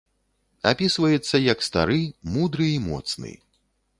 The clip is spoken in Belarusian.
Апісваецца як стары, мудры і моцны.